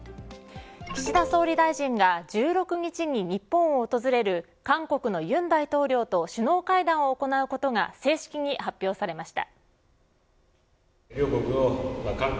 岸田総理大臣が１６日に日本を訪れる韓国の尹大統領と首脳会談を行うことが正式に発表されました。